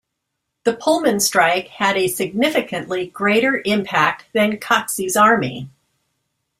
The Pullman Strike had a significantly greater impact than Coxey's Army.